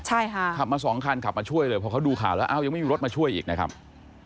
ใช่ค่ะขับมาสองคันขับมาช่วยเลยพอเขาดูข่าวแล้วอ้าวยังไม่มีรถมาช่วยอีกนะครับ